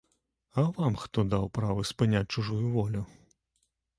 А вам хто даў права спыняць чужую волю?!